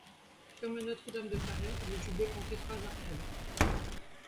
Comme à Notre-Dame de Paris, le jubé comptait trois arcades.